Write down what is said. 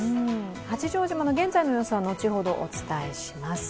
八丈島の現在の様子は、後ほどお伝えします。